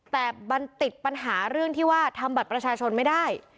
แต่มันติดปัญหาเรื่องที่ว่าทำบัตรประชาชนไม่ได้